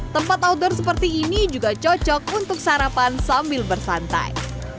tempat outdoor seperti ini juga cocok untuk sarapan sambil bersantai